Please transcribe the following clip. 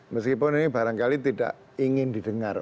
meskipun ini barangkali tidak ingin didengar